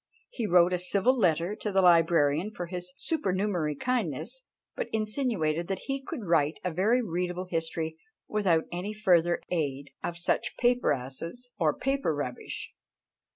He wrote a civil letter to the librarian for his "supernumerary kindness," but insinuated that he could write a very readable history without any further aid of such paperasses or "paper rubbish."